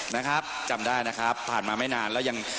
นะครับจำได้นะครับผ่านมาไม่นานแล้วยัง